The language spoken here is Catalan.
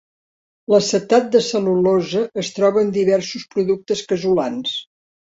L'acetat de cel·lulosa es troba en diversos productes casolans.